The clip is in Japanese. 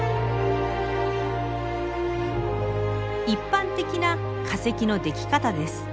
一般的な化石のでき方です。